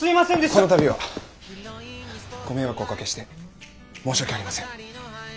この度はご迷惑をおかけして申し訳ありません。